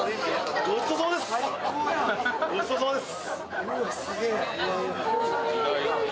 ごちそうさまです。